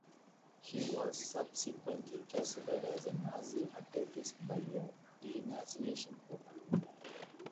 He was subsequently classified as a Nazi activist by a de-Nazification court.